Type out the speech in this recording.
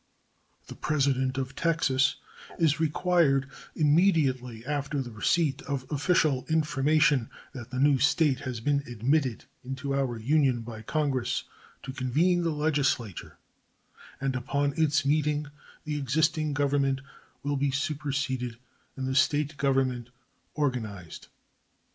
The President of Texas is required, immediately after the receipt of official information that the new State has been admitted into our Union by Congress, to convene the legislature, and upon its meeting the existing government will be superseded and the State government organized.